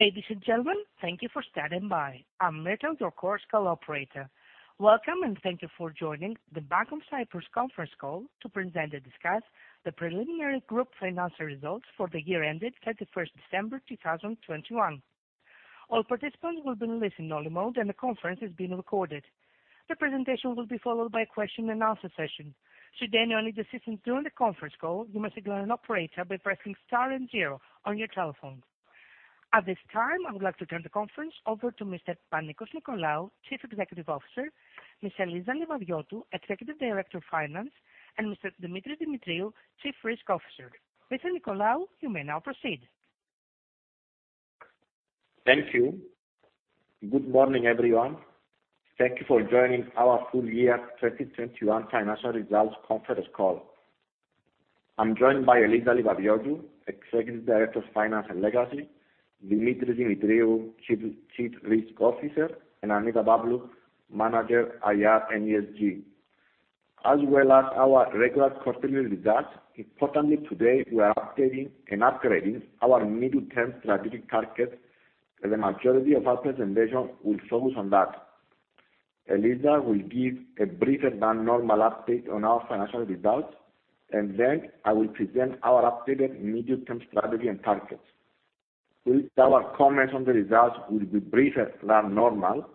Ladies and gentlemen, thank you for standing by. I'm Myrto, your Chorus Call operator. Welcome, and thank you for joining the Bank of Cyprus conference call to present and discuss the preliminary group financial results for the year ended 31 December 2021. All participants will be in listen-only mode, and the conference is being recorded. The presentation will be followed by a question and answer session. Should anyone need assistance during the conference call, you may signal an operator by pressing star and zero on your telephone. At this time, I would like to turn the conference over to Mr. Panicos Nicolaou, Chief Executive Officer, Ms. Eliza Livadiotou, Executive Director of Finance, and Mr. Demetris Demetriou, Chief Risk Officer. Mr. Nicolaou, you may now proceed. Thank you. Good morning, everyone. Thank you for joining our full year 2021 financial results conference call. I'm joined by Eliza Livadiotou, Executive Director of Finance and Legacy, Demetris Demetriou, Chief Risk Officer, and Annita Pavlou, Manager IR and ESG. As well as our regular quarterly results, importantly today, we are updating and upgrading our medium-term strategic targets, and the majority of our presentation will focus on that. Eliza will give a briefer than normal update on our financial results, and then I will present our updated medium-term strategy and targets. Our comments on the results will be briefer than normal.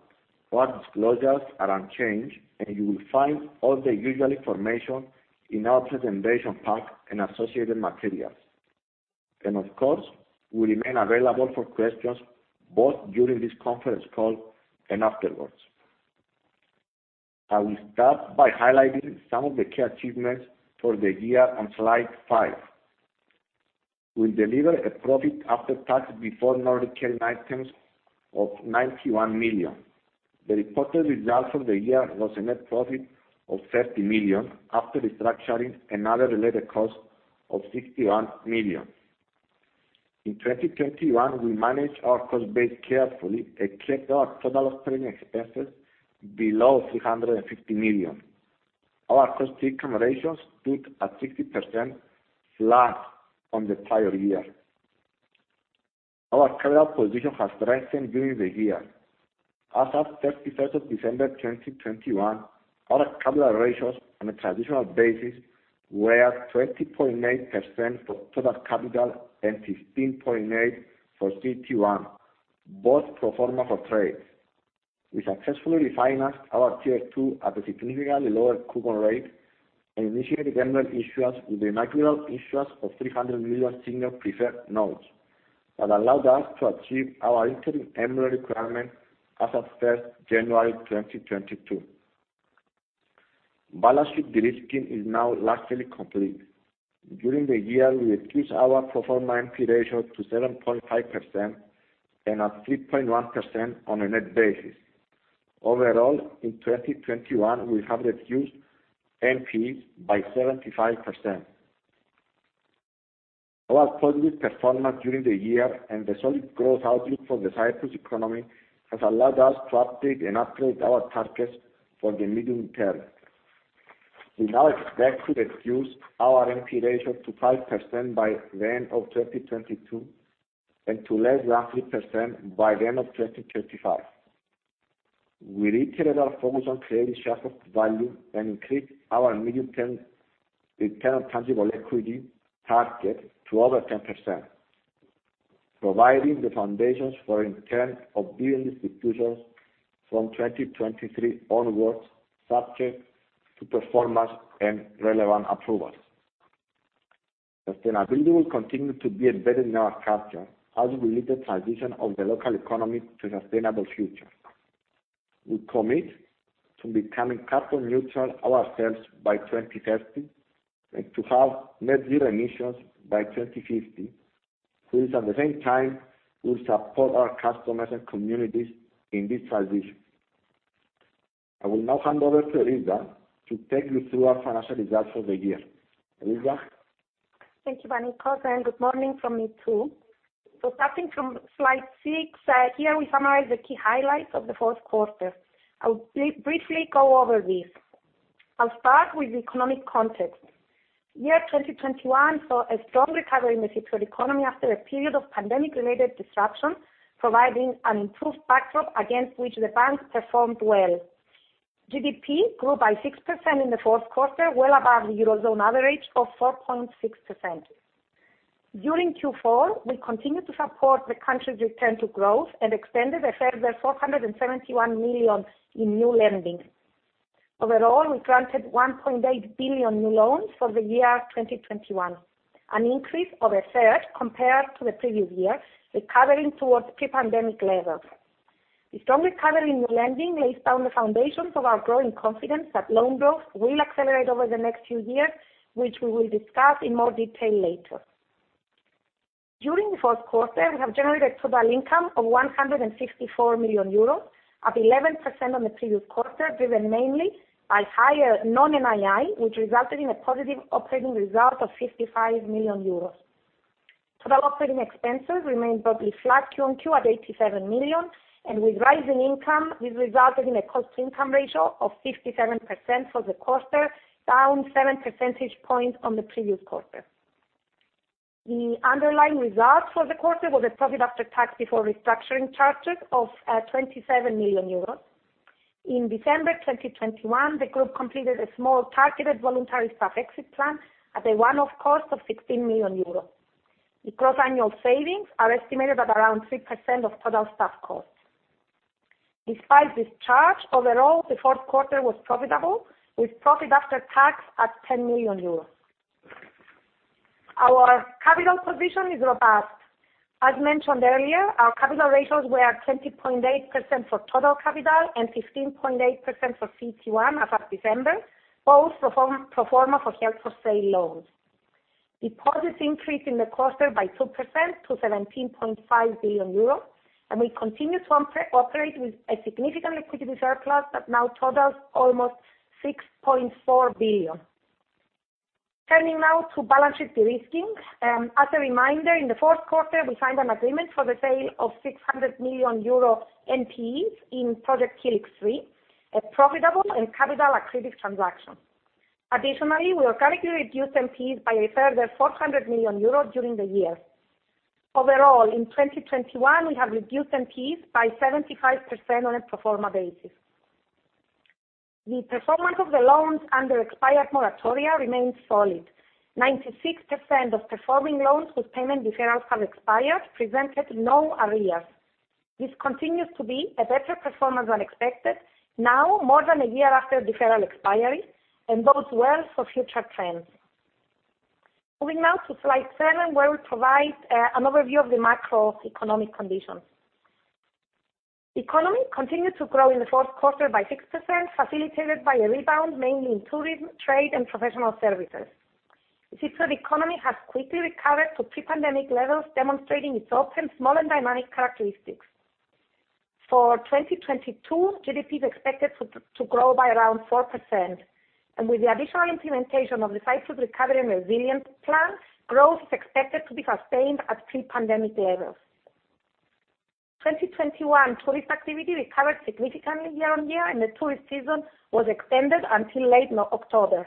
All disclosures are unchanged, and you will find all the usual information in our presentation pack and associated materials. Of course, we remain available for questions both during this conference call and afterwards. I will start by highlighting some of the key achievements for the year on slide five. We delivered a profit after tax before non-recurring items of 91 million. The reported result for the year was a net profit of 30 million after restructuring another related cost of 61 million. In 2021, we managed our cost base carefully and kept our total operating expenses below 350 million. Our cost income ratio stood at 60%, flat from the prior year. Our capital position has strengthened during the year. As of December 31, 2021, our capital ratios on a traditional basis were 20.8% for total capital and 15.8% for CET1, both pro forma for trades. We successfully refinanced our tier two at a significantly lower coupon rate and initiated MREL issuance with the inaugural issuance of 300 million senior preferred notes that allowed us to achieve our interim MREL requirement as of January 1, 2022. Balance sheet de-risking is now largely complete. During the year, we reduced our pro forma NPE ratio to 7.5% and at 3.1% on a net basis. Overall, in 2021, we have reduced NPEs by 75%. Our positive performance during the year and the solid growth outlook for the Cyprus economy has allowed us to update and upgrade our targets for the medium term. We now expect to reduce our NPE ratio to 5% by the end of 2022 and to less than 3% by the end of 2035. We reiterate our focus on creating shareholder value and increase our medium-term return on tangible equity target to over 10%, providing the foundations for interim dividend distributions from 2023 onwards, subject to performance and relevant approvals. Sustainability will continue to be embedded in our culture as we lead the transition of the local economy to a sustainable future. We commit to becoming carbon neutral ourselves by 2030 and to have net zero emissions by 2050, while at the same time we support our customers and communities in this transition. I will now hand over to Eliza to take you through our financial results for the year. Eliza? Thank you, Panicos, and good morning from me, too. Starting from slide 6, here we summarize the key highlights of the fourth quarter. I'll briefly go over these. I'll start with economic context. Year 2021 saw a strong recovery in the Cypriot economy after a period of pandemic-related disruption, providing an improved backdrop against which the banks performed well. GDP grew by 6% in the fourth quarter, well above the Eurozone average of 4.6%. During Q4, we continued to support the country's return to growth and extended a further 471 million in new lending. Overall, we granted 1.8 billion new loans for the year 2021, an increase of a third compared to the previous year, recovering towards pre-pandemic levels. The strong recovery in new lending lays down the foundations of our growing confidence that loan growth will accelerate over the next few years, which we will discuss in more detail later. During the fourth quarter, we have generated total income of 154 million euros, up 11% on the previous quarter, driven mainly by higher non-NII, which resulted in a positive operating result of 55 million euros. Total operating expenses remained broadly flat quarter-on-quarter at 87 million, and with rising income, this resulted in a cost income ratio of 57% for the quarter, down seven percentage points on the previous quarter. The underlying results for the quarter was a profit after tax before restructuring charges of 27 million euros. In December 2021, the group completed a small targeted voluntary staff exit plan at a one-off cost of 16 million euros. The gross annual savings are estimated at around 3% of total staff costs. Despite this charge, overall, the fourth quarter was profitable, with profit after tax at 10 million euros. Our capital position is robust. As mentioned earlier, our capital ratios were 20.8% for total capital and 15.8% for CET1 as of December, both pro forma for held-for-sale loans. Deposits increased in the quarter by 2% to 17.5 billion euros, and we continue to operate with a significant liquidity surplus that now totals almost 6.4 billion. Turning now to balance sheet de-risking. As a reminder, in the fourth quarter, we signed an agreement for the sale of 600 million euro NPEs in project Helix 3, a profitable and capital-accretive transaction. Additionally, we are currently reducing NPEs by a further 400 million euros during the year. Overall, in 2021, we have reduced NPEs by 75% on a pro forma basis. The performance of the loans under expired moratoria remains solid. 96% of performing loans with payment deferrals have expired, presented no arrears. This continues to be a better performance than expected now, more than a year after deferral expiry, and bodes well for future trends. Moving now to slide 7, where we provide an overview of the macroeconomic conditions. The economy continued to grow in the fourth quarter by 6%, facilitated by a rebound mainly in tourism, trade, and professional services. The Cypriot economy has quickly recovered to pre-pandemic levels, demonstrating its open, small, and dynamic characteristics. For 2022, GDP is expected to grow by around 4%, and with the additional implementation of the Cyprus Recovery and Resilience Plan, growth is expected to be sustained at pre-pandemic levels. 2021 tourist activity recovered significantly year-over-year, and the tourist season was extended until late November.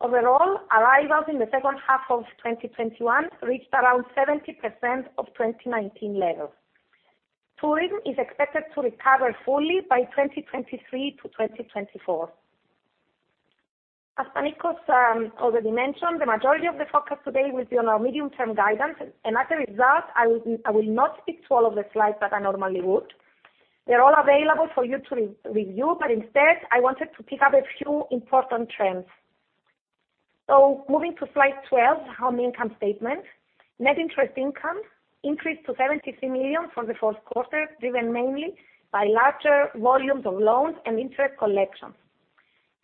Overall, arrivals in the second half of 2021 reached around 70% of 2019 levels. Tourism is expected to recover fully by 2023-2024. As Panicos already mentioned, the majority of the focus today will be on our medium-term guidance. As a result, I will not speak to all of the slides that I normally would. They're all available for you to review, but instead, I wanted to pick up a few important trends. Moving to slide 12, our income statement. Net interest income increased to 73 million from the fourth quarter, driven mainly by larger volumes of loans and interest collections.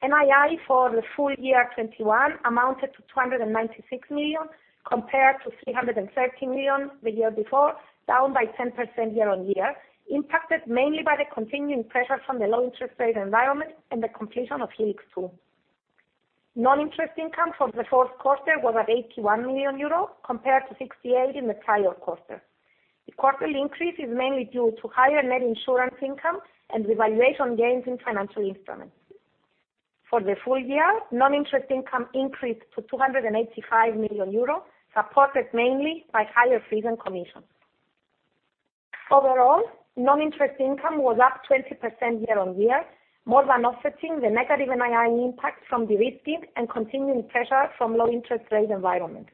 NII for the full year 2021 amounted to 296 million compared to 313 million the year before, down by 10% year-over-year, impacted mainly by the continuing pressure from the low interest rate environment and the completion of Helix 2. Non-interest income from the fourth quarter was at 81 million euros compared to 68 million in the prior quarter. The quarterly increase is mainly due to higher net insurance income and revaluation gains in financial instruments. For the full year, non-interest income increased to 285 million euros, supported mainly by higher fees and commissions. Overall, non-interest income was up 20% year-over-year, more than offsetting the negative NII impact from de-risking and continuing pressure from low interest rate environment.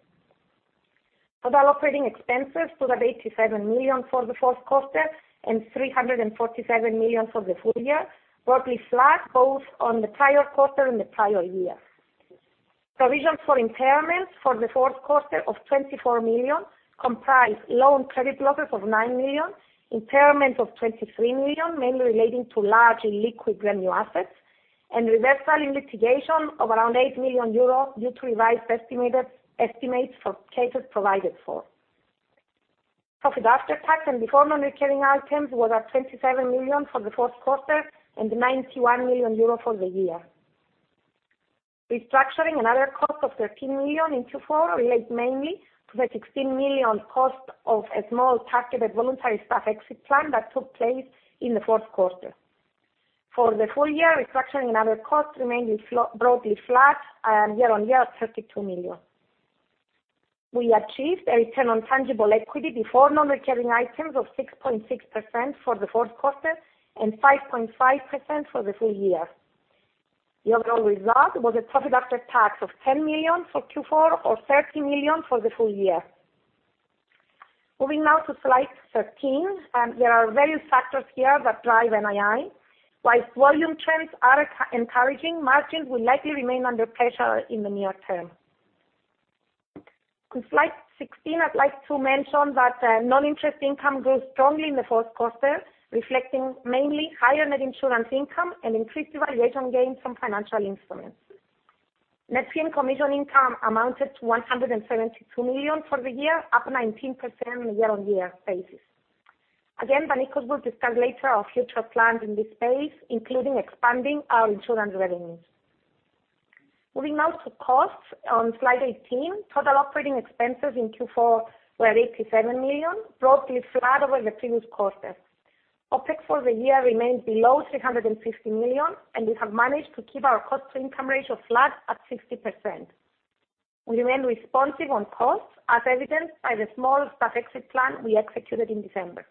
Total operating expenses stood at 87 million for the fourth quarter and 347 million for the full year, broadly flat both on the prior quarter and the prior year. Provisions for impairments for the fourth quarter of 24 million comprised loan credit losses of 9 million, impairments of 23 million, mainly relating to large illiquid real estate assets, and reversal in litigation of around 8 million euros due to revised estimates for cases provided for. Profit after tax and before non-recurring items was at 27 million for the fourth quarter and 91 million euro for the year. Restructuring and other costs of 13 million in Q4 relate mainly to the 16 million cost of a small targeted voluntary staff exit plan that took place in the fourth quarter. For the full year, restructuring and other costs remained broadly flat year on year at 32 million. We achieved a return on tangible equity before non-recurring items of 6.6% for the fourth quarter and 5.5% for the full year. The overall result was a profit after tax of 10 million for Q4 or 30 million for the full year. Moving now to slide 13. There are various factors here that drive NII. While volume trends are encouraging, margins will likely remain under pressure in the near term. To slide 16, I'd like to mention that non-interest income grew strongly in the fourth quarter, reflecting mainly higher net insurance income and increased revaluation gains from financial instruments. Net fee and commission income amounted to 172 million for the year, up 19% on a year-on-year basis. Again, Panicos will discuss later our future plans in this space, including expanding our insurance revenues. Moving now to costs on slide 18. Total operating expenses in Q4 were 87 million, broadly flat over the previous quarter. OPEX for the year remained below 350 million, and we have managed to keep our cost-to-income ratio flat at 60%. We remain responsive on costs, as evidenced by the small staff exit plan we executed in December.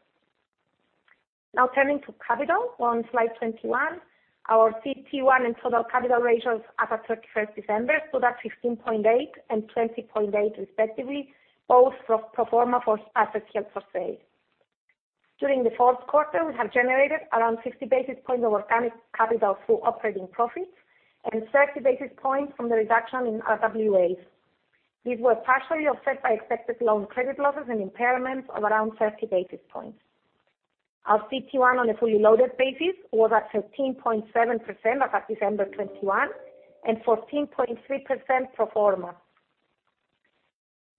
Now turning to capital on slide 21. Our CET1 and total capital ratios as at 31 December stood at 15.8 and 20.8 respectively, both pro forma for assets held for sale. During the fourth quarter, we have generated around 50 basis points of organic capital through operating profits and 30 basis points from the reduction in RWAs. These were partially offset by expected loan credit losses and impairments of around 30 basis points. Our CET1 on a fully loaded basis was at 13.7% as at December 2021, and 14.3% pro forma.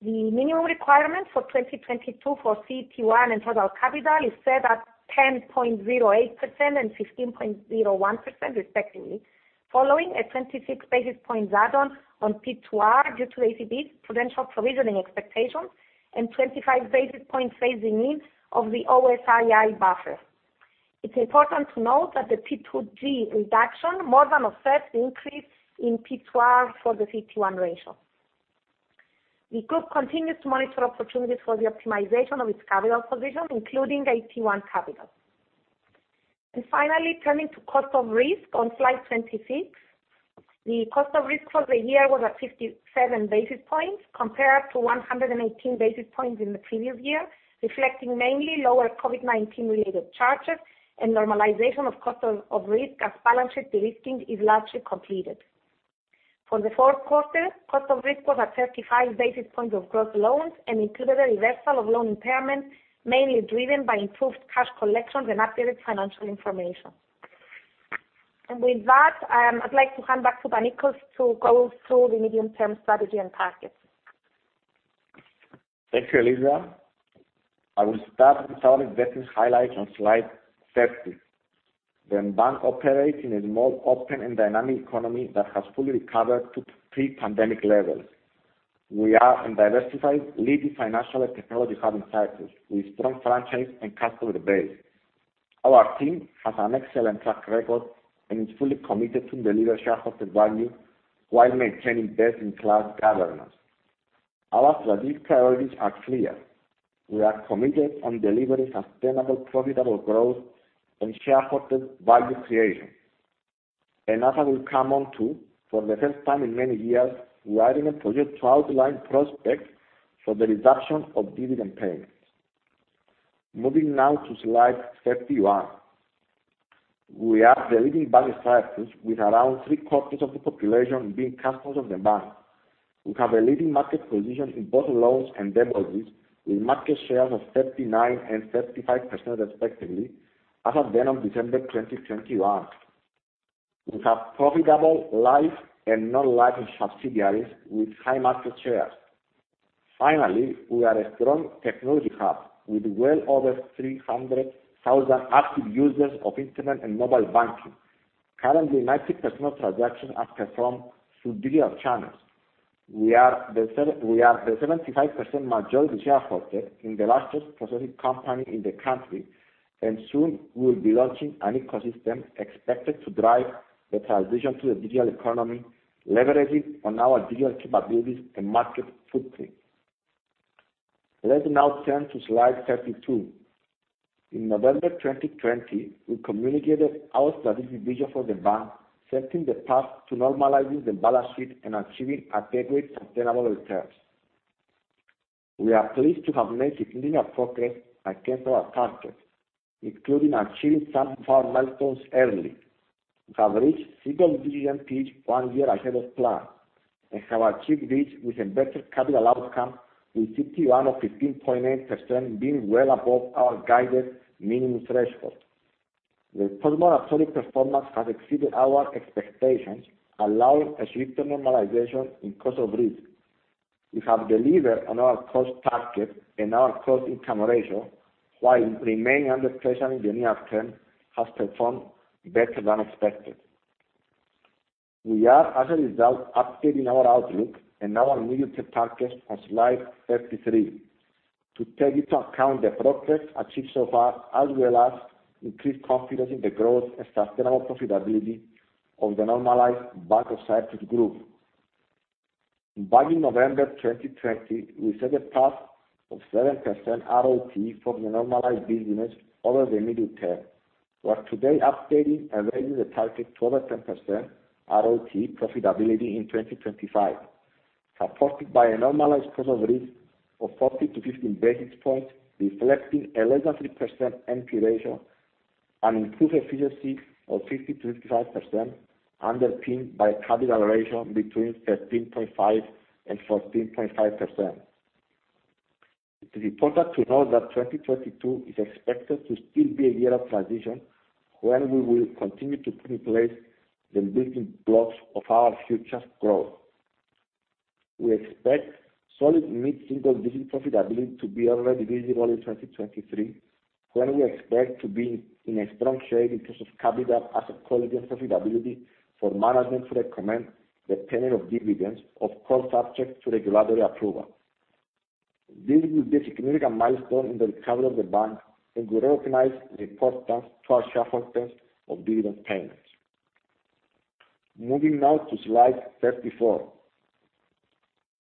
The minimum requirement for 2022 for CET1 and total capital is set at 10.08% and 15.01% respectively, following a 26 basis points add-on on P2R due to ECB's prudential provisioning expectations and 25 basis points phasing in of the OSII buffer. It's important to note that the P2G reduction more than offsets the increase in P2R for the CET1 ratio. The group continues to monitor opportunities for the optimization of its capital position, including AT1 capital. Finally, turning to cost of risk on slide 26. The cost of risk for the year was at 57 basis points compared to 118 basis points in the previous year, reflecting mainly lower COVID-19 related charges and normalization of cost of risk as balance sheet de-risking is largely completed. For the fourth quarter, cost of risk was at 35 basis points of gross loans and included a reversal of loan impairment, mainly driven by improved cash collections and updated financial information. With that, I'd like to hand back to Panicos to go through the medium-term strategy and targets. Thank you, Elisa. I will start with our investing highlights on slide 30. The bank operates in a more open and dynamic economy that has fully recovered to pre-pandemic levels. We are a diversified leading financial and technology hub in Cyprus with strong franchise and customer base. Our team has an excellent track record and is fully committed to deliver shareholder value while maintaining best-in-class governance. Our strategic priorities are clear. We are committed on delivering sustainable, profitable growth and shareholder value creation. As I will come on to, for the first time in many years, we are in a position to outline prospects for the resumption of dividend payments. Moving now to slide 31. We are the leading bank in Cyprus, with around three-quarters of the population being customers of the bank. We have a leading market position in both loans and deposits, with market shares of 39% and 35% respectively as at the end of December 2021. We have profitable life and non-life subsidiaries with high market shares. Finally, we are a strong technology hub with well over 300,000 active users of internet and mobile banking. Currently, 90% of transactions are performed through digital channels. We are the 75% majority shareholder in the largest processing company in the country, and soon we will be launching an ecosystem expected to drive the transition to the digital economy, leveraging on our digital capabilities and market footprint. Let's now turn to slide 32. In November 2020, we communicated our strategic vision for the bank, setting the path to normalizing the balance sheet and achieving adequate sustainable returns. We are pleased to have made significant progress against our targets, including achieving some of our milestones early. We have reached single-digit NPL 1 year ahead of plan, and have achieved this with a better capital outcome, with CET1 of 15.8% being well above our guided minimum threshold. The post-merger performance has exceeded our expectations, allowing a swifter normalization in cost of risk. We have delivered on our cost target and our cost-income ratio, while remaining under pressure in the near term, has performed better than expected. We are, as a result, updating our outlook and our medium-term targets on slide 33 to take into account the progress achieved so far, as well as increased confidence in the growth and sustainable profitability of the normalized Bank of Cyprus Group. Back in November 2020, we set a path of 7% RoTE for the normalized business over the medium term. We are today updating and raising the target to over 10% RoTE profitability in 2025, supported by a normalized cost of risk of 40-50 basis points, reflecting a legacy NPE ratio, an improved efficiency of 50%-55%, underpinned by capital ratio between 13.5% and 14.5%. It is important to note that 2022 is expected to still be a year of transition when we will continue to put in place the building blocks of our future growth. We expect solid mid-single digit profitability to be already visible in 2023, when we expect to be in a strong shape in terms of capital, asset quality, and profitability for management to recommend the payment of dividends, of course, subject to regulatory approval. This will be a significant milestone in the recovery of the bank, and we recognize the importance to our shareholders of dividend payments. Moving now to slide 34.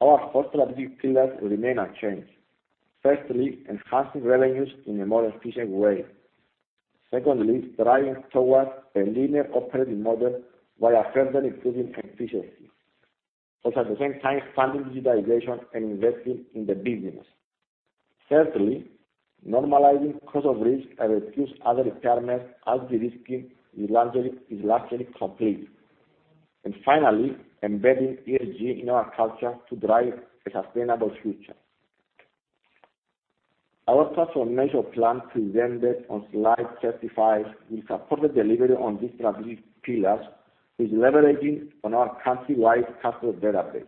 Our four strategic pillars remain unchanged. Firstly, enhancing revenues in a more efficient way. Secondly, driving towards a leaner operating model while further improving efficiency, also at the same time funding digitization and investing in the business. Thirdly, normalizing cost of risk and reduce other requirements as de-risking is largely complete. Finally, embedding ESG in our culture to drive a sustainable future. Our transformation plan presented on slide 35 will support the delivery on these strategic pillars by leveraging our countrywide customer database.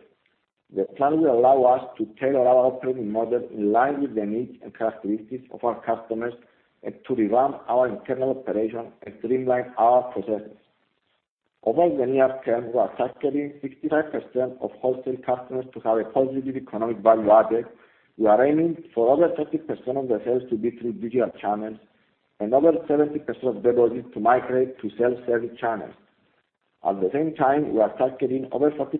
The plan will allow us to tailor our operating model in line with the needs and characteristics of our customers and to revamp our internal operations and streamline our processes. Over the near term, we are targeting 65% of wholesale customers to have a positive economic value added. We are aiming for over 30% of the sales to be through digital channels and over 70% of deposits to migrate to self-service channels. At the same time, we are targeting over 40%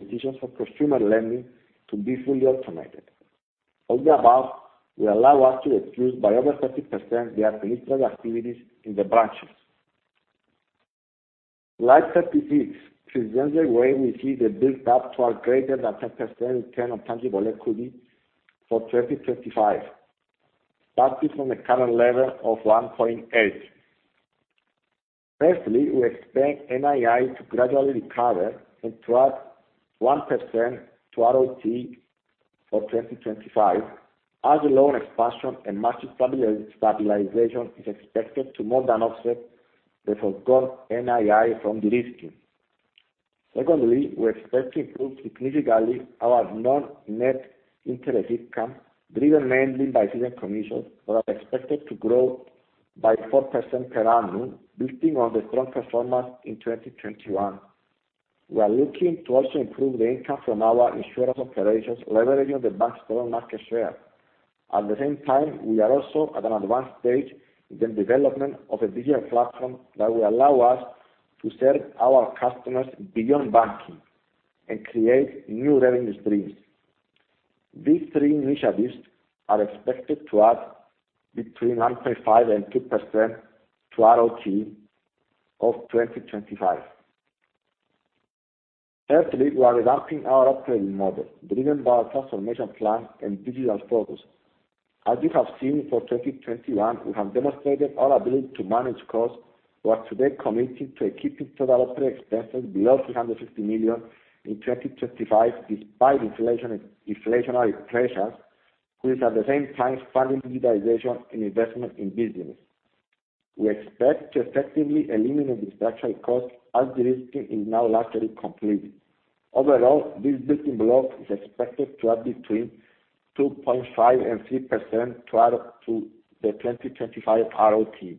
decisions for consumer lending to be fully automated. All the above will allow us to reduce by over 30% the administrative activities in the branches. Slide 36 presents the way we see the build-up to our >10% return on tangible equity for 2025, starting from the current level of 1.8. Firstly, we expect NII to gradually recover and to add 1% to RoTE for 2025 as loan expansion and margin stabilization is expected to more than offset the forgone NII from de-risking. Secondly, we expect to improve significantly our non-net interest income, driven mainly by fees and commissions that are expected to grow by 4% per annum, building on the strong performance in 2021. We are looking to also improve the income from our insurance operations, leveraging on the bank's strong market share. At the same time, we are also at an advanced stage in the development of a digital platform that will allow us to serve our customers beyond banking and create new revenue streams. These three initiatives are expected to add between 1.5% and 2% to 2025 RoTE. Thirdly, we are revamping our operating model, driven by our transformation plan and digital focus. As you have seen, for 2021, we have demonstrated our ability to manage costs. We are today committed to keeping total operating expenses below 350 million in 2025 despite inflation, inflationary pressures, whilst at the same time funding digitization and investment in business. We expect to effectively eliminate distraction costs as de-risking is now largely complete. Overall, this building block is expected to add between 2.5% and 3% to the 2025 RoTE.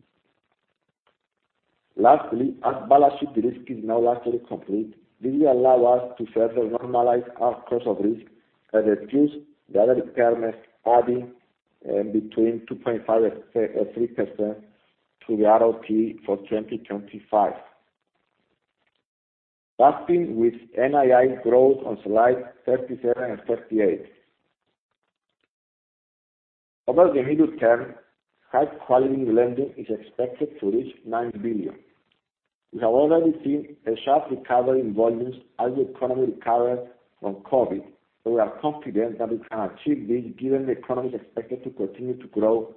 Lastly, as balance sheet de-risk is now largely complete, this will allow us to further normalize our cost of risk and reduce the other requirements adding between 2.5% and 3% to the RoTE for 2025. Starting with NII growth on slide 37 and 38. Over the medium term, high-quality lending is expected to reach 9 billion. We have already seen a sharp recovery in volumes as the economy recovered from COVID. We are confident that we can achieve this, given the economy is expected to continue to grow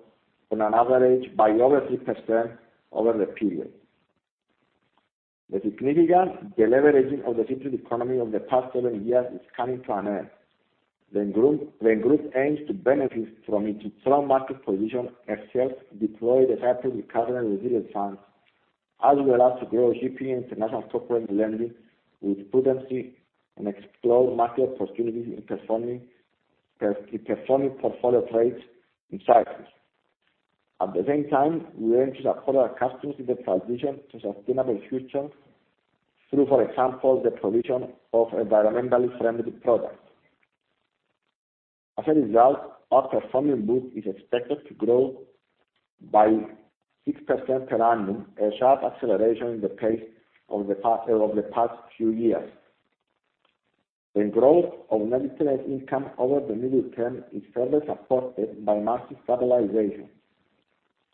on an average by over 3% over the period. The significant deleveraging of the Cypriot economy over the past 7 years is coming to an end. The group aims to benefit from its strong market position and the deployment of the Cyprus Recovery and Resilience funds, which allows us to grow shipping international corporate lending with prudence and explore market opportunities in performing, non-performing portfolio trades in cycles. At the same time, we aim to support our customers in the transition to sustainable future through, for example, the provision of environmentally friendly products. As a result, our performing book is expected to grow by 6% per annum, a sharp acceleration in the pace of the past few years. The growth of net interest income over the medium term is further supported by margin stabilization.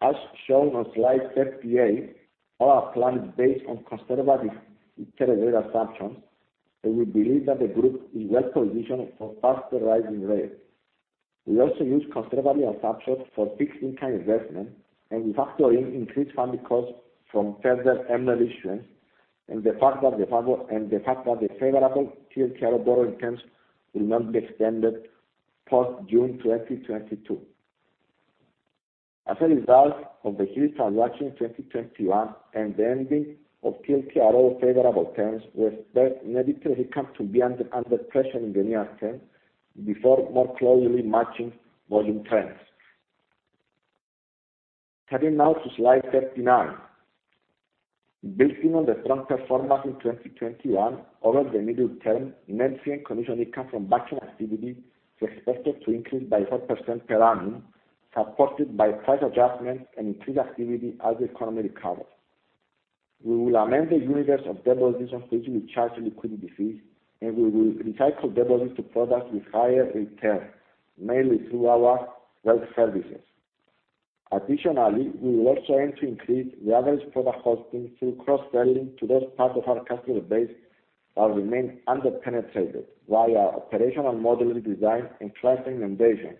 As shown on slide 38, our plan is based on conservative interest rate assumptions, and we believe that the group is well positioned for faster rising rates. We also use conservative assumptions for fixed income investment, and we factor in increased funding costs from further MREL issuance, and the fact that the favorable TLTRO borrowing terms will not be extended post-June 2022. As a result of the huge transaction in 2021 and the ending of TLTRO favorable terms, we expect net interest income to be under pressure in the near term before more closely matching volume trends. Turning now to slide 39. Building on the strong performance in 2021 over the middle term, net fee and commission income from banking activity is expected to increase by 4% per annum, supported by price adjustments and increased activity as the economy recovers. We will amend the universe of deposits on which we charge liquidity fees, and we will recycle deposits to products with higher returns, mainly through our wealth services. Additionally, we will also aim to increase the average product holdings through cross-selling to those parts of our customer base that remain under-penetrated via operational modeling design and clustering innovation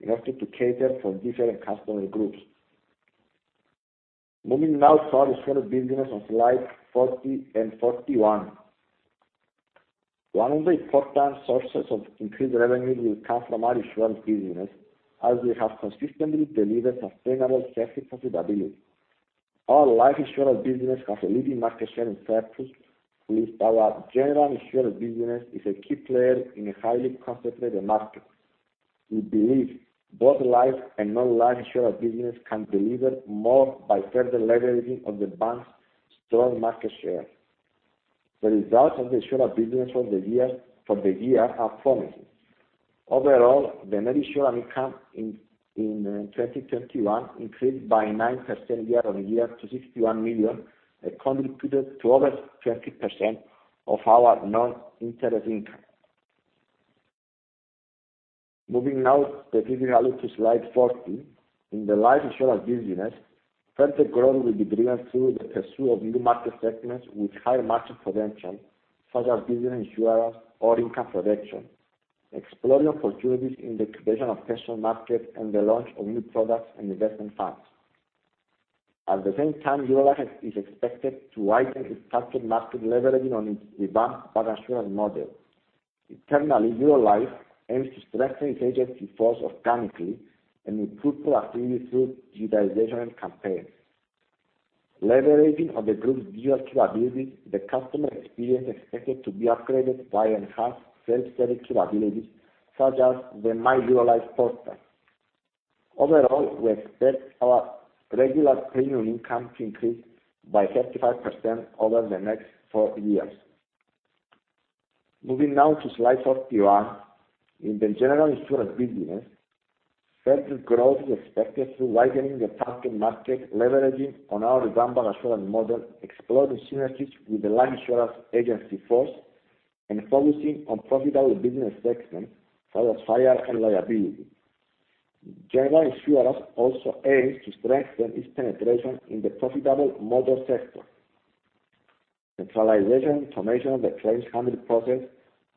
in order to cater for different customer groups. Moving now to our insurance business on slide 40 and 41. One of the important sources of increased revenues will come from our insurance business, as we have consistently delivered sustainable satisfactory profitability. Our life insurance business has a leading market share in Cyprus, while our general insurance business is a key player in a highly concentrated market. We believe both life and non-life insurance business can deliver more by further leveraging on the bank's strong market share. The results of the insurance business for the year are promising. Overall, the net insurance income in 2021 increased by 9% year over year to 61 million. It contributed to over 20% of our non-interest income. Moving now specifically to slide 40. In the life insurance business, further growth will be driven through the pursuit of new market segments with higher margin potential, such as business insurance or income protection, exploring opportunities in the expansion of personal markets, and the launch of new products and investment funds. At the same time, Eurolife is expected to widen its target market, leveraging on its revamped bancassurance model. Internally, Eurolife aims to strengthen its agency force organically and improve productivity through digitization and campaigns. Leveraging on the group's digital capabilities, the customer experience is expected to be upgraded by enhanced self-service capabilities, such as the My Eurolife portal. Overall, we expect our regular premium income to increase by 35% over the next four years. Moving now to slide 41. In the general insurance business, further growth is expected through widening the target market, leveraging on our revamped bancassurance model, exploring synergies with the life insurance agency force, and focusing on profitable business segments such as fire and liability. General Insurance also aims to strengthen its penetration in the profitable motor sector. Centralization and automation of the claims handling process,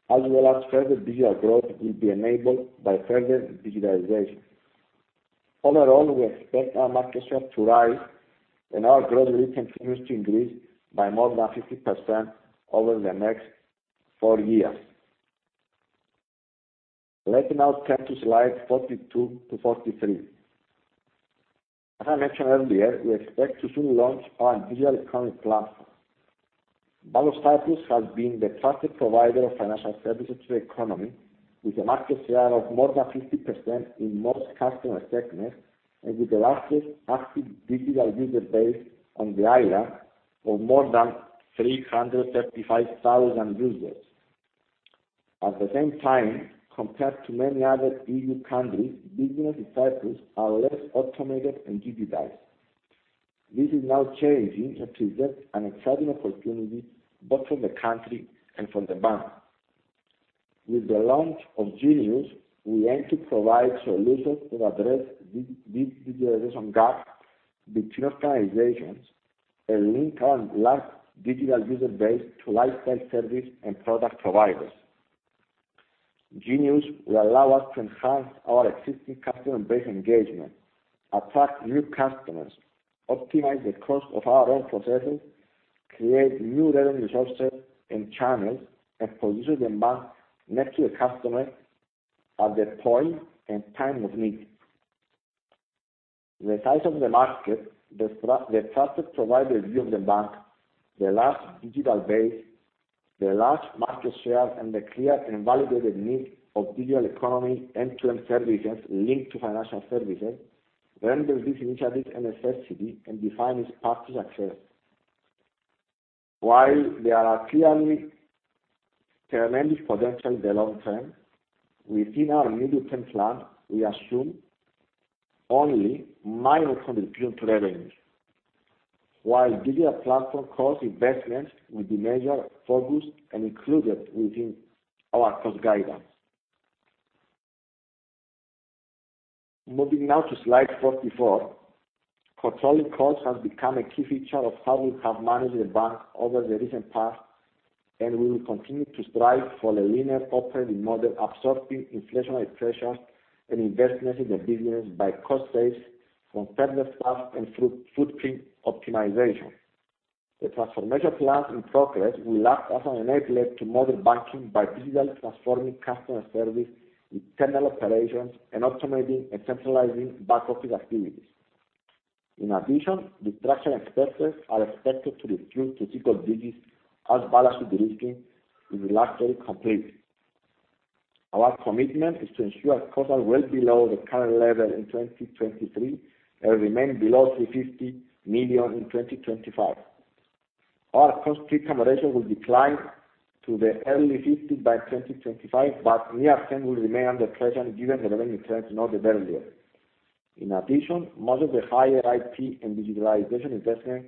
as well as further digital growth, will be enabled by further digitization. Overall, we expect our market share to rise, and our growth will continue to increase by more than 50% over the next four years. Let's now turn to slide 42 to 43. As I mentioned earlier, we expect to soon launch our digital economy platform. Bank of Cyprus has been the trusted provider of financial services to the economy, with a market share of more than 50% in most customer segments and with the largest active digital user base on the island of more than 335,000 users. At the same time, compared to many other EU countries, businesses in Cyprus are less automated and digitized. This is now changing and presents an exciting opportunity both for the country and for the bank. With the launch of Genius, we aim to provide solutions that address this digitization gap between organizations and link our large digital user base to lifestyle service and product providers. Genius will allow us to enhance our existing customer base engagement, attract new customers, optimize the cost of our own processes, create new revenue sources and channels, and position the bank next to the customer at the point and time of need. The size of the market, the trusted provider view of the bank, the large digital base, the large market share, and the clear and validated need of digital economy end-to-end services linked to financial services render this initiative a necessity and define its path to success. While there are clearly tremendous potential in the long term, within our medium-term plan, we assume only minor contribution to revenue, while digital platform cost investments will be major focus and included within our cost guidance. Moving now to slide 44. Controlling costs has become a key feature of how we have managed the bank over the recent past, and we will continue to strive for a leaner operating model, absorbing inflationary pressures and investments in the business by cost savings from further staff and footprint optimization. The transformation plans in progress will act as an enabler to modern banking by digitally transforming customer service, internal operations, and automating and centralizing back-office activities. In addition, restructuring expenses are expected to reduce to single digits as balance sheet restructuring is largely complete. Our commitment is to ensure costs are well below the current level in 2023 and remain below 350 million in 2025. Our cost-to-income ratio will decline to the early 50s by 2025, but near term will remain under pressure given the revenue trends noted earlier. In addition, most of the higher IT and digitalization investment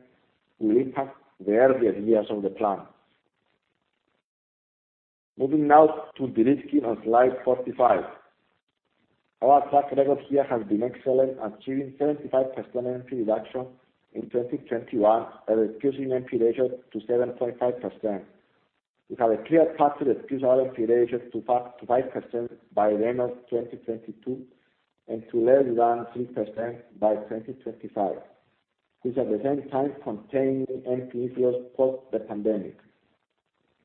will impact the earlier years of the plan. Moving now to de-risking on slide 45. Our track record here has been excellent, achieving 75% NPL reduction in 2021 and reducing NPL ratio to 7.5%. We have a clear path to reduce our NPL ratio to 5.5% by the end of 2022 and to less than 3% by 2025, which at the same time containing NPL ratios post the pandemic.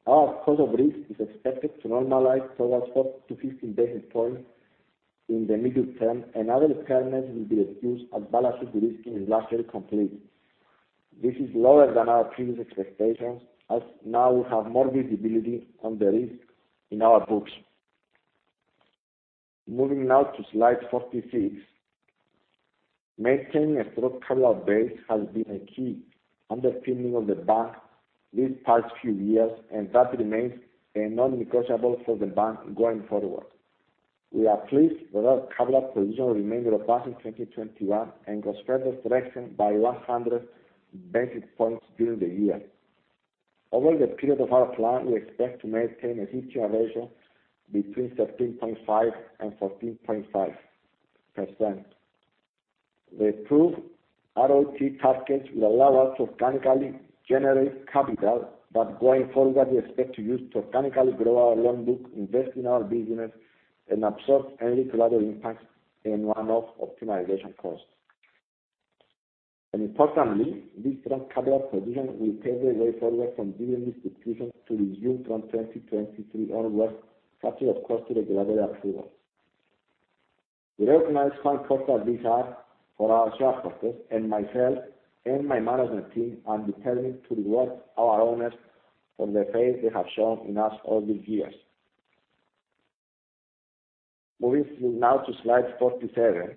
Our cost of risk is expected to normalize towards 12-15 basis points in the medium term, and other impairments will be reduced as bank's de-risking is largely complete. This is lower than our previous expectations, as now we have more visibility on the risk in our books. Moving now to slide 46. Maintaining a strong capital base has been a key underpinning of the bank these past few years, and that remains a non-negotiable for the bank going forward. We are pleased with our capital position as of the end of 2021 and got further strengthened by 100 basis points during the year. Over the period of our plan, we expect to maintain a CET1 ratio between 13.5% and 14.5%. The approved RoTE targets will allow us to organically generate capital, but going forward, we expect organically to grow our loan book, invest in our business, and absorb any collateral impacts and one-off optimization costs. Importantly, this strong capital position will pave the way for dividend distribution to resume from 2023 onwards, subject, of course, to regulatory approval. We recognize how important these are for our shareholders, and myself and my management team are determined to reward our owners for the faith they have shown in us all these years. Moving now to slide 47.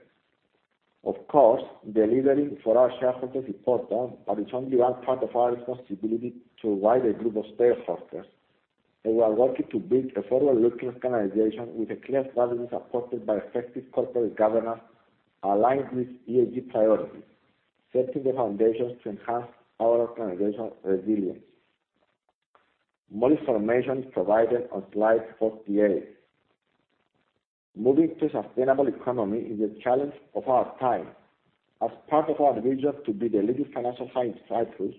Of course, delivering for our shareholders is important, but it's only one part of our responsibility to a wider group of stakeholders, and we are working to build a forward-looking organization with a clear strategy supported by effective corporate governance aligned with ESG priorities, setting the foundations to enhance our organizational resilience. More information is provided on slide 48. Moving to a sustainable economy is a challenge of our time. As part of our vision to be the leading financial hub in Cyprus,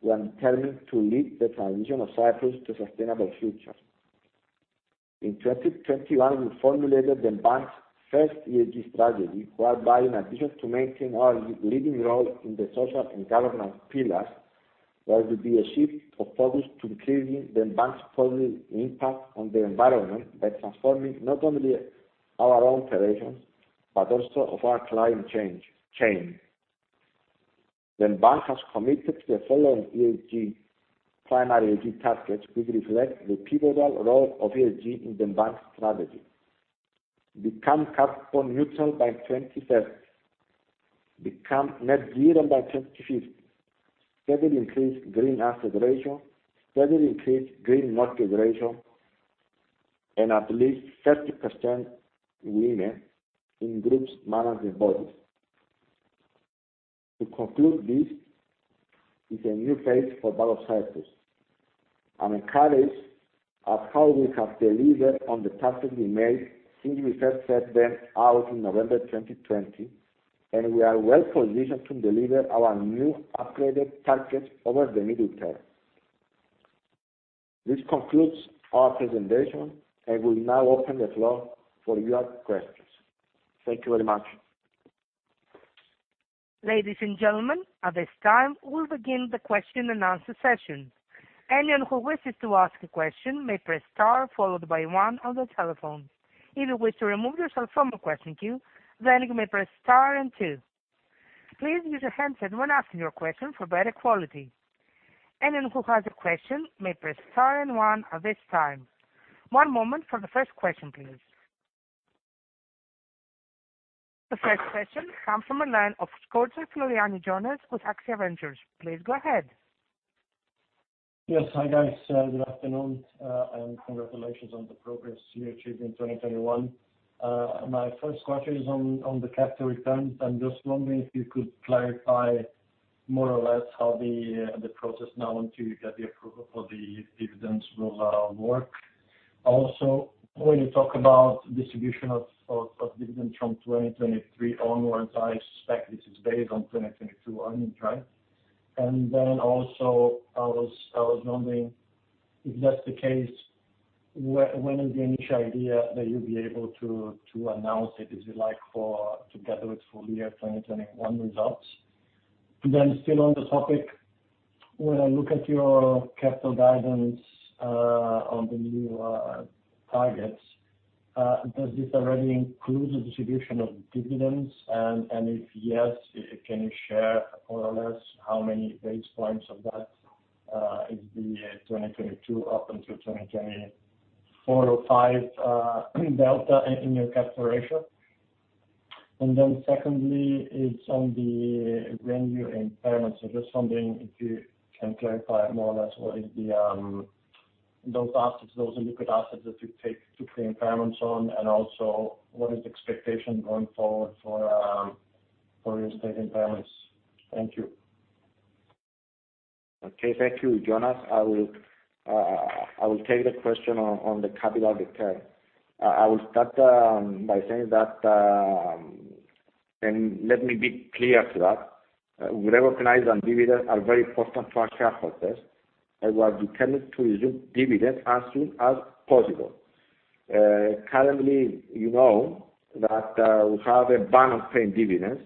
we are determined to lead the transition of Cyprus to a sustainable future. In 2021, we formulated the bank's first ESG strategy, whereby in addition to maintain our leading role in the social and governance pillars, there will be a shift of focus to increasing the bank's positive impact on the environment by transforming not only our own operations, but also of our clients' value chain. The bank has committed to the following ESG, primary ESG targets, which reflect the pivotal role of ESG in the bank's strategy. Become carbon neutral by 2030. Become net zero by 2050. Steadily increase green asset ratio. Steadily increase green mortgage ratio. At least 30% women in group's managing bodies. To conclude this, it's a new phase for Bank of Cyprus. I'm encouraged at how we have delivered on the targets we made since we first set them out in November 2020, and we are well positioned to deliver our new upgraded targets over the medium term. This concludes our presentation, and we'll now open the floor for your questions. Thank you very much. Ladies and gentlemen, at this time, we'll begin the question-and-answer session. Anyone who wishes to ask a question may press star followed by one on their telephone. If you wish to remove yourself from a question queue, then you may press star and two. Please use your handset when asking your question for better quality. Anyone who has a question may press star and one at this time. One moment for the first question, please. The first question comes from a line of Jonas Floriani with Axia Ventures. Please go ahead. Yes. Hi, guys. Good afternoon, and congratulations on the progress you achieved in 2021. My first question is on the capital returns. I'm just wondering if you could clarify more or less how the process now until you get the approval for the dividends will work. Also, when you talk about distribution of dividend from 2023 onwards, I suspect this is based on 2022 earnings, right? And then also I was wondering if that's the case, when is the initial idea that you'll be able to announce it? Is it together with full year 2021 results? Still on the topic, when I look at your capital guidance on the new targets, does this already include the distribution of dividends? If yes, can you share more or less how many basis points of that is the 2022 up until 2024 or five delta in your capture ratio. Secondly, it's on the revenue impairments. Just something if you can clarify more or less what is the those assets, those liquid assets that you take to the impairments on, and also what is the expectation going forward for your stage impairments? Thank you. Okay. Thank you, Jonas. I will take the question on the capital return. I will start by saying that, and let me be clear to that. We recognize that dividends are very important to our shareholders, and we are determined to resume dividends as soon as possible. Currently, you know that we have a ban on paying dividends,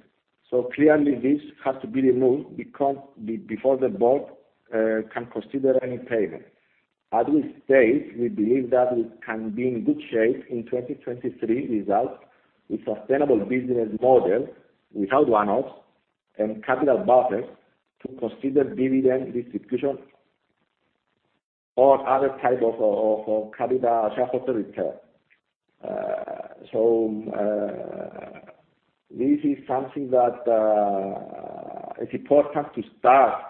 so clearly this has to be removed because before the board can consider any payment. As we state, we believe that we can be in good shape in 2023 results with sustainable business model without one-offs and capital buffers to consider dividend distribution or other type of capital shareholder return. This is something that is important to start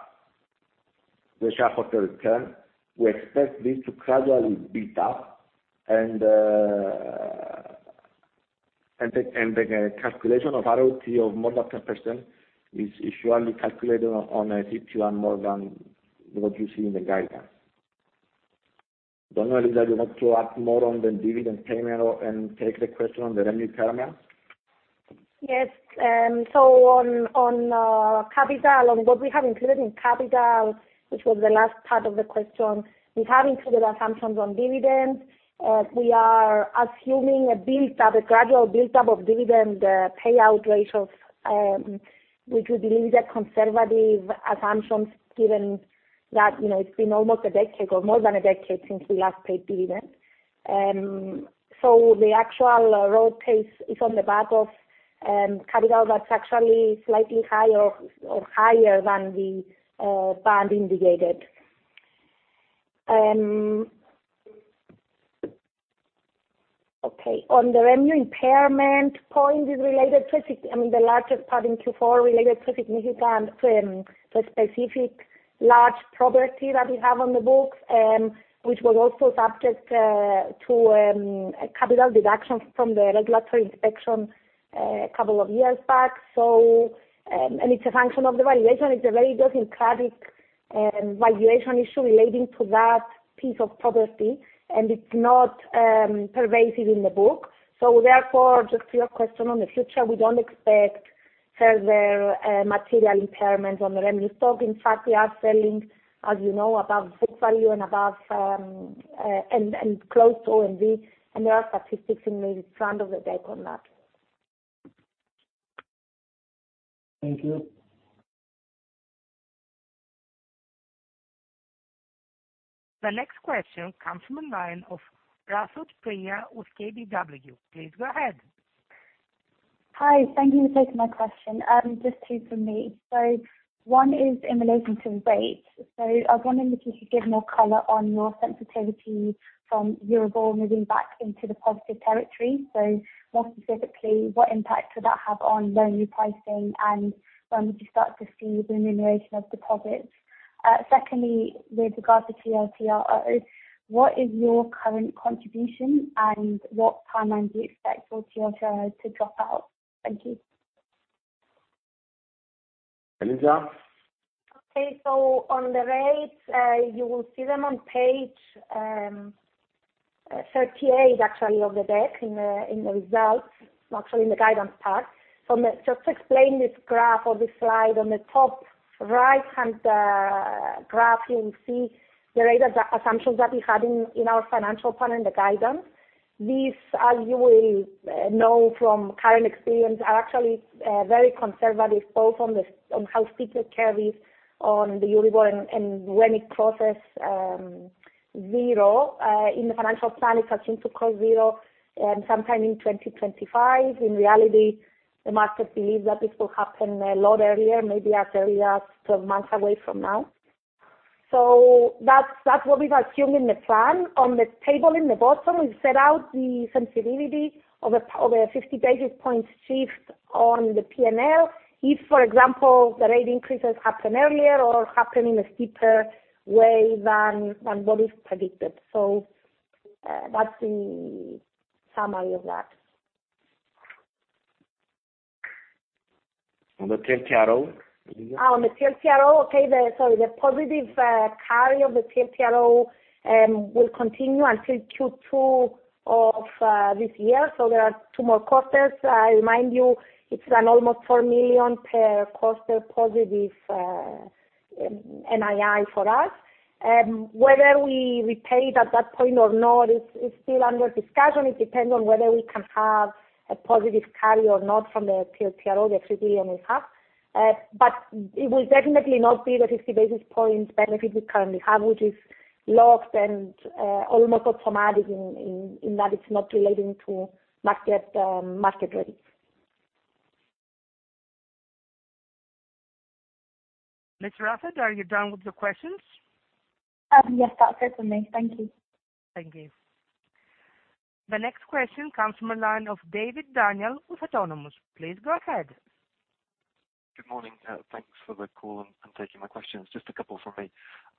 the shareholder return. We expect this to gradually build up and the calculation of RoTE of more than 10% is surely calculated on a HQLA more than what you see in the guidance. Don't know, Eliza, you want to add more on the dividend payment or and take the question on the revenue impairment? Yes. On capital, on what we have included in capital, which was the last part of the question, we have included assumptions on dividends. We are assuming a gradual build-up of dividend payout ratios, which we believe are conservative assumptions given that, you know, it's been almost a decade or more than a decade since we last paid dividends. The actual roadmap is on the back of capital that's actually slightly higher than the band indicated. Okay, on the revenue impairment point, the largest part in Q4 related to significant specific large property that we have on the books, which was also subject to a capital deduction from the regulatory inspection a couple of years back. It's a function of the valuation. It's a very idiosyncratic valuation issue relating to that piece of property, and it's not pervasive in the book. Therefore, just to your question on the future, we don't expect further material impairment on the revenue stock. In fact, we are selling, as you know, above book value and above and close to NBV, and there are statistics in the front of the deck on that. Thank you. The next question comes from the line of Priya Tanna with KBW. Please go ahead. Hi. Thank you for taking my question. Just two from me. One is in relation to rates. I was wondering if you could give more color on your sensitivity from Euribor moving back into the positive territory. More specifically, what impact would that have on loan repricing and when would you start to see the remuneration of deposits? Secondly, with regard to TLTRO, what is your current contribution and what timeline do you expect for TLTRO to drop out? Thank you. Eliza? Okay. On the rates, you will see them on page 38 actually of the deck in the results, actually in the guidance part. Just to explain this graph or this slide, on the top right-hand graph you will see the rate of the assumptions that we had in our financial plan and the guidance. These, as you will know from current experience, are actually very conservative both on how people carry on the Euribor and when it crosses zero. In the financial plan, it's assumed to cross zero sometime in 2025. In reality, the market believes that this will happen a lot earlier, maybe as early as 12 months away from now. That's what we've assumed in the plan. On the table in the bottom, we set out the sensitivity of a 50 basis points shift on the P&L if, for example, the rate increases happen earlier or happen in a steeper way than what is predicted. That's the summary of that. On the TLTRO, Eliza? On the TLTRO, the positive carry of the TLTRO will continue until Q2 of this year. There are two more quarters. I remind you it's an almost 4 million per quarter positive NII for us. Whether we repay it at that point or not is still under discussion. It depends on whether we can have a positive carry or not from the TLTRO, the 3 billion we have. It will definitely not be the 50 basis points benefit we currently have, which is locked and almost automatic in that it's not relating to market rates. Miss Priya, are you done with your questions? Yes, that's it for me. Thank you. Thank you. The next question comes from the line of Daniel David with Autonomous. Please go ahead. Good morning. Thanks for the call and taking my questions. Just a couple from me.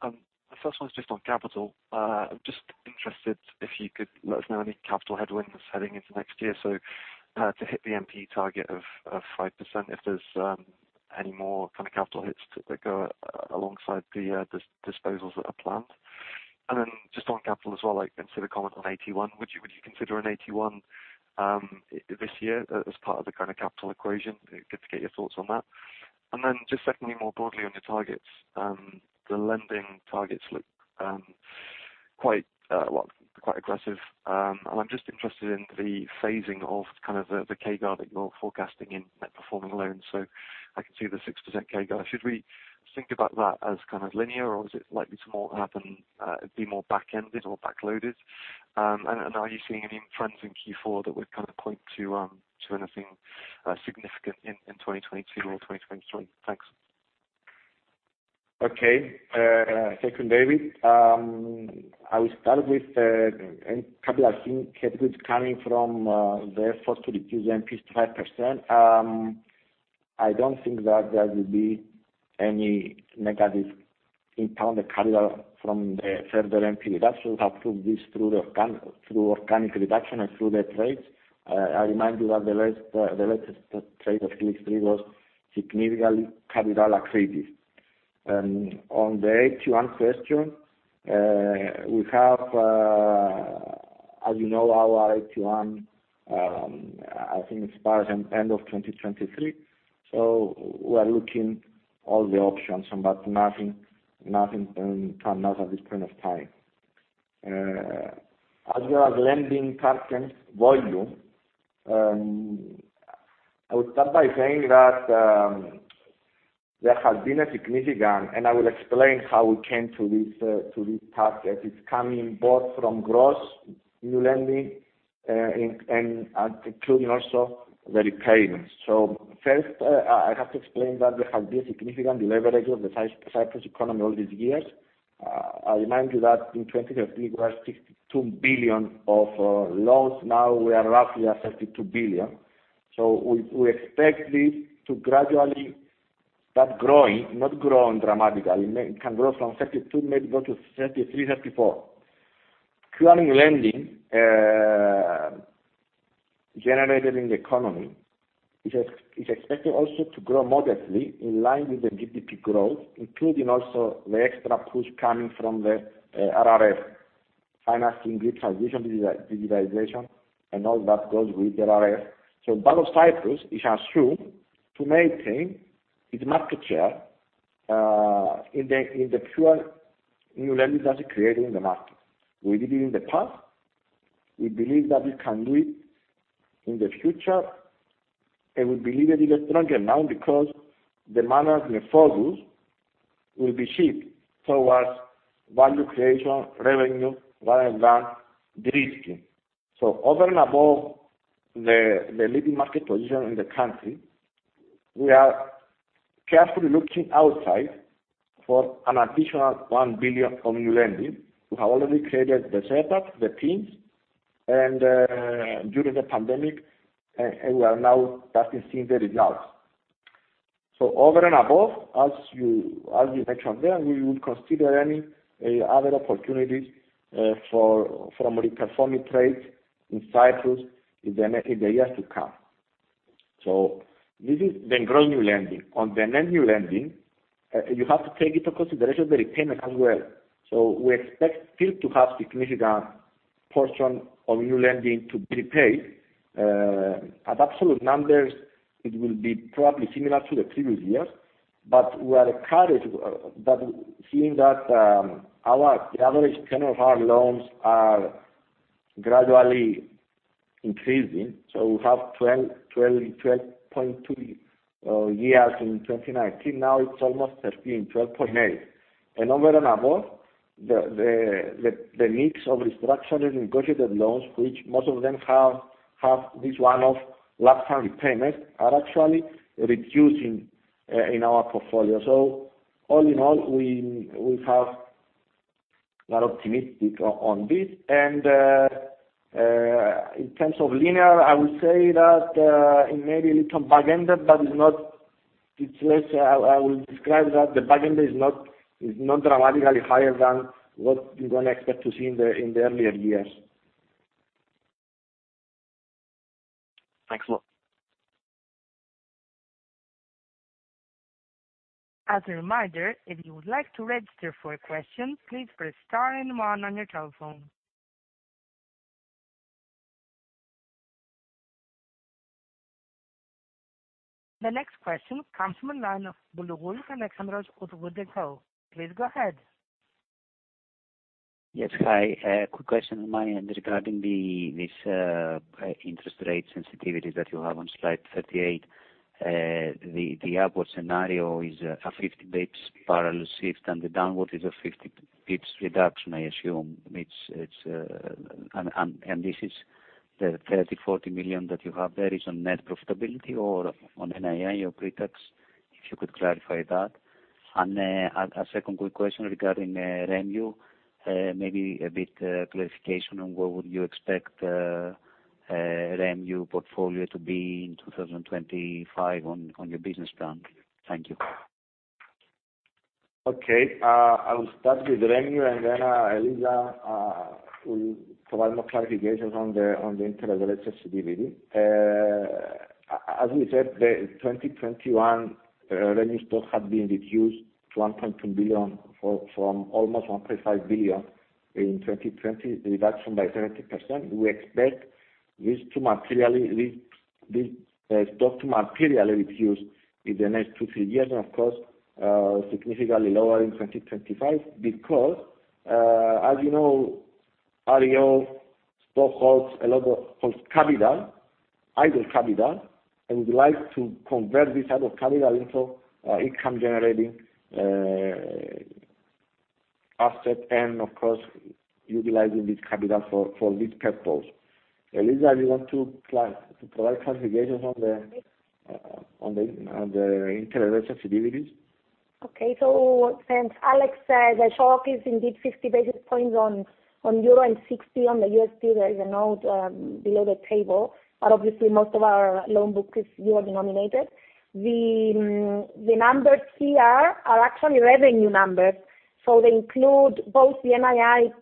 The first one is just on capital. I'm just interested if you could let us know any capital headwinds heading into next year, so to hit the MP target of 5%, if there's any more kind of capital hits that go alongside the disposals that are planned. Then just on capital as well, like, and for the comment on AT1, would you consider an AT1 this year as part of the kind of capital equation? Good to get your thoughts on that. Then just secondly, more broadly on your targets, the lending targets look quite well, quite aggressive. I'm just interested in the phasing of kind of the CAGR that you're forecasting in non-performing loans. I can see the 6% CAGR. Should we think about that as kind of linear, or is it likely to be more back-ended or back-loaded? Are you seeing any trends in Q4 that would kind of point to anything significant in 2022 or 2023? Thanks. Thank you, David. I will start with any capital, I think, headwinds coming from the efforts to reduce the NPE to 5%. I don't think that there will be any negative impact on the capital from the further NPE reduction. We have proved this through organic reduction and through the trades. I remind you that the latest trade of Helix 3 was significantly capital accretive. On the AT1 question, we have, as you know, our AT1, I think expires end of 2023. We're looking all the options, but nothing come out at this point of time. As well as lending target volume, I would start by saying that there has been a significant, and I will explain how we came to this, to this target. It's coming both from gross new lending and including also the repayments. First, I have to explain that there has been significant de-leverage of the Cyprus economy all these years. I remind you that in 2013, we were 62 billion of loans. Now we are roughly at 32 billion. We expect this to gradually start growing, not growing dramatically. It can grow from 32 billion, maybe go to 33 billion, 34 billion. Growing lending generated in the economy is expected also to grow modestly in line with the GDP growth, including also the extra push coming from the RRF, financing green transition, digitization, and all that goes with the RRF. Bank of Cyprus, it has to maintain its market share in the pure new lending that is created in the market. We did it in the past. We believe that we can do it in the future, and we believe it even stronger now because the management focus will shift towards value creation, revenue one-on-one, de-risking. Over and above the leading market position in the country, we are carefully looking outside for an additional 1 billion of new lending. We have already created the setup, the teams, and during the pandemic, and we are now starting seeing the results. Over and above, as you mentioned there, we would consider any other opportunities from reperforming trades in Cyprus in the years to come. This is the growing new lending. On the net new lending, you have to take into consideration the repayment as well. We expect still to have significant portion of new lending to be paid. At absolute numbers, it will be probably similar to the previous years, but we are encouraged that seeing that our, the average tenure of our loans are gradually increasing. We have 12.2 years in 2019. Now it's almost 13, 12.8. Over and above, the mix of restructured and negotiated loans, which most of them have this one-off lump sum repayment, are actually reducing in our portfolio. All in all, we are optimistic on this. In terms of linearity, I would say that it may be a little back-ended, but it's not, it's less. I will describe that the back-end is not dramatically higher than what you're gonna expect to see in the earlier years. Thanks a lot. As a reminder, if you would like to register for a question, please press star and one on your telephone. The next question comes from the line of Alexandros Boulougouris with WOOD & Company. Please go ahead. Yes. Hi. A quick question on my end regarding this interest rate sensitivity that you have on slide 38. The upward scenario is a 50 bps parallel shift, and the downward is a 50 bps reduction, I assume. This is the 30 million-40 million that you have there, is it on net profitability or on NII or pre-tax, if you could clarify that. A second quick question regarding REMU, maybe a bit clarification on what would you expect REMU portfolio to be in 2025 on your business plan. Thank you. Okay. I will start with REMU, and then Eliza will provide more clarifications on the interest rate sensitivity. As we said, the 2021 REMU stock had been reduced to 1.2 billion from almost 1.5 billion in 2020, reduction by 30%. We expect this to materially reduce in the next 2-3 years, and of course, significantly lower in 2025 because, as you know, REMU stock holds idle capital, and we'd like to convert this type of capital into income generating asset and of course, utilizing this capital for this purpose. Eliza, do you want to provide clarifications on the interest rate sensitivities? Okay. As Alex said, the shock is indeed 50 basis points on euro and 60 on the USD. There is a note below the table, but obviously most of our loan book is euro-denominated. The numbers here are actually revenue numbers, so they include both the NII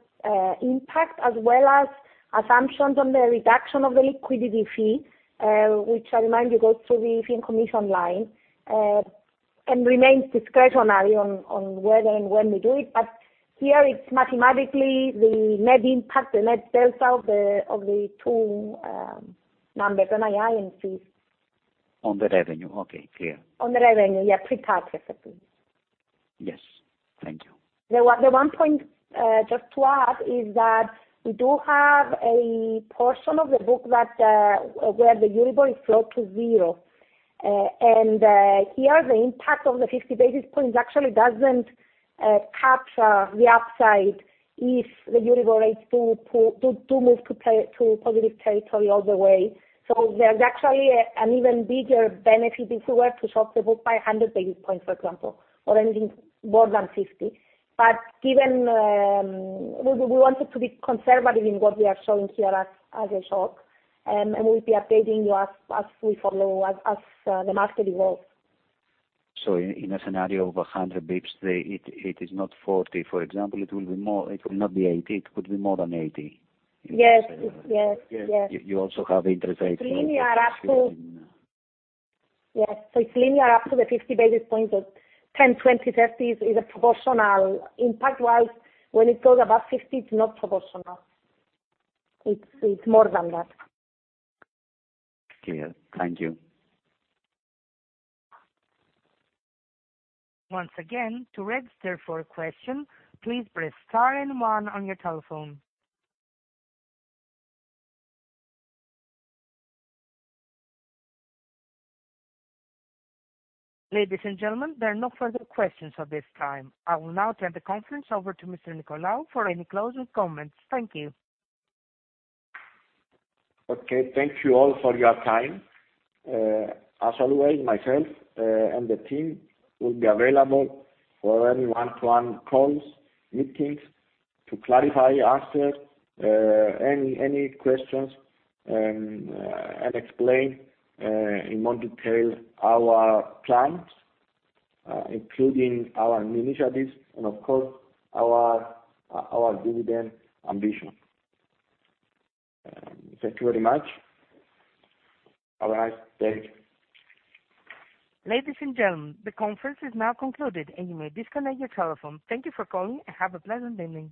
impact as well as assumptions on the reduction of the liquidity fee, which I remind you goes through the fee and commission line, and remains discretionary on whether and when we do it. Here it's mathematically the net impact, the net delta of the two numbers, NII and fees. On the revenue. Okay, clear. On the revenue, yeah, pre-tax, basically. Yes. Thank you. The one point just to add is that we do have a portion of the book that, where the Euribor is floored to zero. Here, the impact on the 50 basis points actually doesn't capture the upside if the Euribor rates do move to positive territory all the way. There's actually an even bigger benefit if we were to shock the book by 100 basis points, for example, or anything more than 50. Given we wanted to be conservative in what we are showing here as a shock. And we'll be updating you as we follow, as the market evolves. In a scenario of 100 basis points, it is not 40, for example. It will be more. It will not be 80, it could be more than 80. Yes. Yes. If you also have interest rates. Yes. It's linear up to the 50 basis points. 10, 20, 30 is a proportional impact-wise. When it goes above 50, it's not proportional. It's more than that. Clear. Thank you. Once again, to register for a question, please press star and one on your telephone. Ladies and gentlemen, there are no further questions at this time. I will now turn the conference over to Mr. Nicolaou for any closing comments. Thank you. Okay. Thank you all for your time. As always, myself and the team will be available for any one-to-one calls, meetings to clarify, answer any questions, and explain in more detail our plans, including our new initiatives and of course our dividend ambition. Thank you very much. Bye-bye. Thank you. Ladies and gentlemen, the conference is now concluded and you may disconnect your telephone. Thank you for calling, and have a pleasant day.